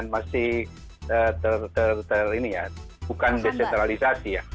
itu masih ini ya kan masih ter ter ter ini ya bukan desentralisasi ya